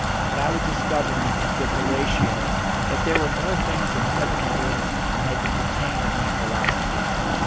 But I was discovering, with Horatio, that there were more things in heaven and earth than had been contained in my philosophy.